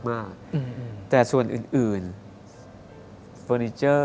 บ๊วยบ๊วยแต่ส่วนอื่นเฟอร์นิเจอร์